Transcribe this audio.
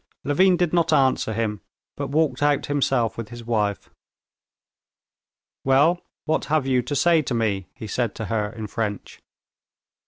Levin did not answer him, but walked out himself with his wife. "Well, what have you to say to me?" he said to her in French.